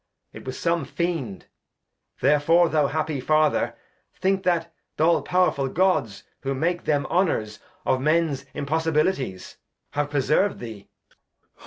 It was some Fiend, therefore thou happy Father, Think that th' all powerfull Gods, who made them Honours Of Mens Impossibilities, have preserv'd thee.